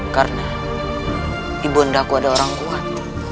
karena ibu undaku ada orang kuat